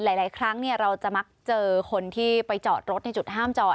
หลายครั้งเราจะมักเจอคนที่ไปจอดรถในจุดห้ามจอด